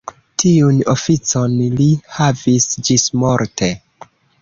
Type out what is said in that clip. Tiun oficon li havis ĝismorte.